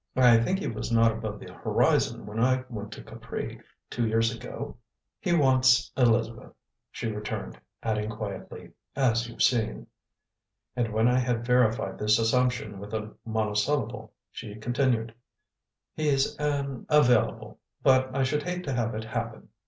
I think he was not above the horizon when I went to Capri, two years ago?" "He wants Elizabeth," she returned, adding quietly, "as you've seen." And when I had verified this assumption with a monosyllable, she continued, "He's an 'available,' but I should hate to have it happen.